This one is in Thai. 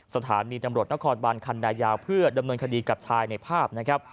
สถานีตำรวจนครบานคันนายาวเพื่อดำเนินคดีกับชายในภาพนะครับ